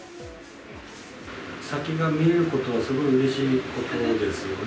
先が見えることは、すごいうれしいことですよね。